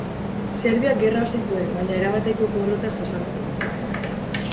Serbiak gerra hasi zuen baina erabateko porrota jasan zuen.